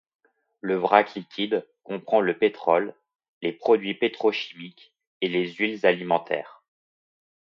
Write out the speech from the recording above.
Le vrac liquide comprend le pétrole, les produits pétrochimiques et les huiles alimentaires.